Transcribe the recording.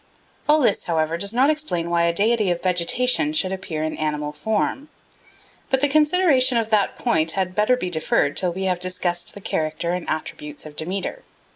All this, however, does not explain why a deity of vegetation should appear in animal form. But the consideration of that point had better be deferred till we have discussed the character and attributes of Demeter.